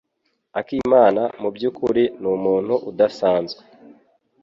Akimana mubyukuri numuntu udasanzwe.